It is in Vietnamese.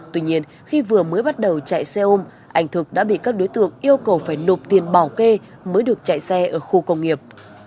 tuy nhiên khi vừa mới bắt đầu chạy xe ôm anh thực đã bị các đối tượng yêu cầu phải nộp tiền bảo kê mới được chạy xe ở khu công nghiệp